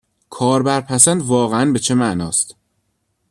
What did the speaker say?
کاربرپسند واقعا به چه معنا است؟